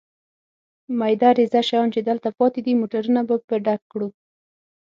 مېده رېزه شیان چې دلته پاتې دي، موټرونه به په ډک کړو.